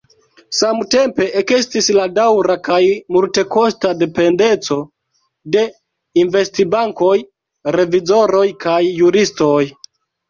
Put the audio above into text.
Samtempe ekestis la daŭra kaj multekosta dependeco de investbankoj, revizoroj kaj juristoj.